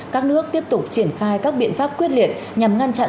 các nước tiếp tục triển khai các biện pháp quyết liệt nhằm ngăn chặn